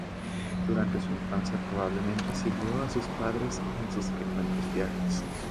Durante su infancia probablemente siguió a su padre en sus frecuentes viajes.